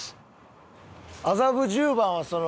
麻布十番はその。